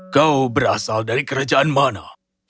kau berasal dari kerajaan mana